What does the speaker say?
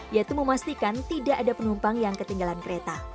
yaitu memastikan tidak ada penumpang yang ketinggalan kereta